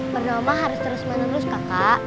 berdoa mah harus terus main terus kakak